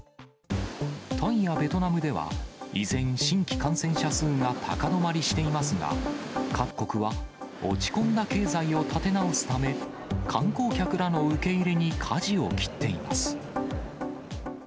タイやベトナムでは、依然、新規感染者数が高止まりしていますが、各国は落ち込んだ経済を立て直すため、観光客らの受け入れにかじを切っています。